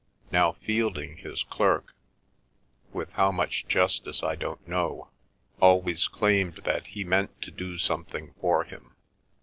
Now Fielding, his clerk, with how much justice I don't know, always claimed that he meant to do something for him.